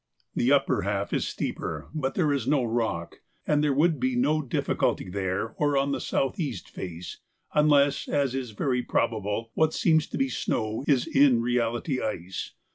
The upper half is steeper, but there is no rock, and there would be no difficulty there or on the south east face, unless, as is very probable, what seems to be snow is in reality ice.